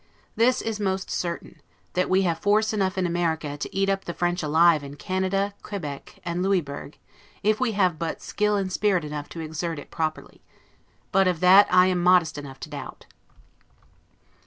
This is most certain, that we have force enough in America to eat up the French alive in Canada, Quebec, and Louisburg, if we have but skill and spirit enough to exert it properly; but of that I am modest enough to doubt.